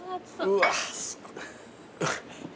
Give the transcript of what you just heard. うわすごい。